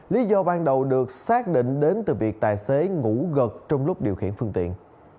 lý do ban đầu được xác định đến từ việc tài xế ngủ gật trong lúc điều khiển phương tiện